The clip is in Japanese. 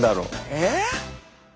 えっ？